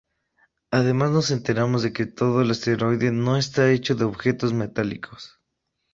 Además, nos enteramos de que todo el Asteroide no está hecho de objetos metálicos.